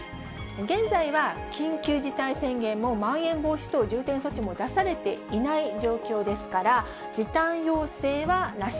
現在は緊急事態宣言もまん延防止等重点措置も出されていない状況ですから、時短要請はなし。